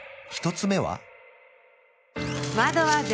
１つ目は？